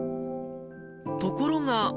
ところが。